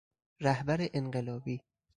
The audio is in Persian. رهبر انقلابی